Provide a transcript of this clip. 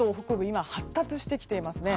今、発達してきていますね。